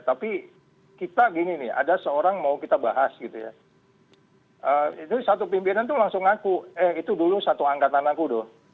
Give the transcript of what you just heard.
tapi kita gini nih ada seorang mau kita bahas gitu ya itu satu pimpinan tuh langsung ngaku eh itu dulu satu angkatan aku dong